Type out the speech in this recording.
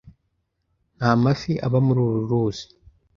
Nta mafi aba muri uru ruzi.